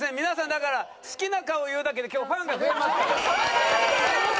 皆さんだから好きな顔を言うだけで今日ファンが増えますから。